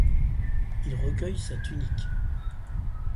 Il recueille sa tunique.